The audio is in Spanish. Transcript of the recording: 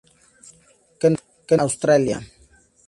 Queensland, Australia.